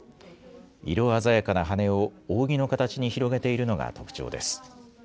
色鮮やかな羽を扇の形に広げているのが特徴です。